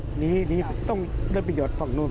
หนีต้องได้ประโยชน์ฝั่งโน้น